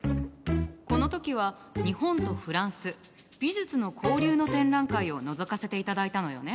この時は日本とフランス美術の交流の展覧会をのぞかせていただいたのよね。